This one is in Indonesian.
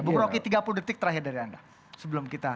bung roky tiga puluh detik terakhir dari anda sebelum kita